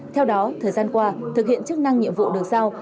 theo đó thời gian qua thực hiện chức năng nhiệm vụ được giao